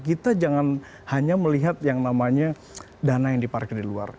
kita jangan hanya melihat yang namanya dana yang diparkir di luar